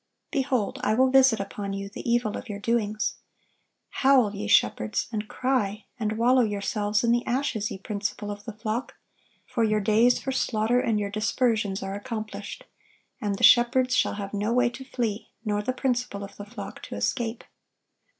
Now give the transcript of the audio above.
Behold, I will visit upon you the evil of your doings." "Howl, ye shepherds, and cry; and wallow yourselves in the ashes, ye principal of the flock: for your days for slaughter and your dispersions are accomplished; ... and the shepherds shall have no way to flee, nor the principal of the flock to escape."